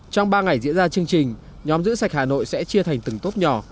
trong ba ngày diễn ra chương trình nhóm giữ sạch hà nội sẽ chia thành từng tốp nhỏ